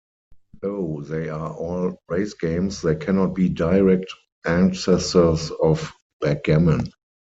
Though they are all race games they cannot be direct ancestors of backgammon.